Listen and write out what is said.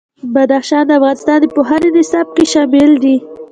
بدخشان د افغانستان د پوهنې نصاب کې شامل دي.